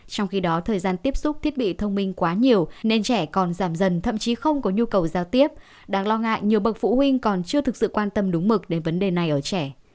trong khi đó thời gian tiếp xúc thiết bị thông minh quá nhiều nên trẻ còn giảm dần thậm chí không có nhu cầu giao tiếp đáng lo ngại nhiều bậc phụ huynh còn chưa thực sự quan tâm đúng mực đến vấn đề này ở trẻ